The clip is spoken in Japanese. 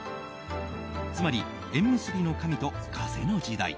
つまり、縁結びの神と風の時代